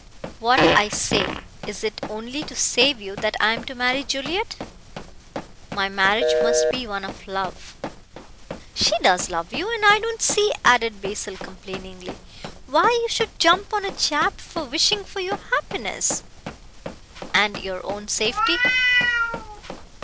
"What I say. Is it only to save you that I am to marry Juliet? My marriage must be one of love " "She does love you. And I don't see," added Basil complainingly, "why you should jump on a chap for wishing for your happiness " "And your own safety."